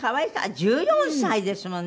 １４歳ですもんね